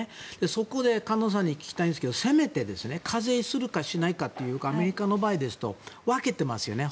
そこで菅野さんに聞きたいんですがせめて課税するかしないかでいうとアメリカの場合ですと分けていますよね。